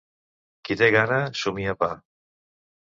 Qui té gana, sumia pa.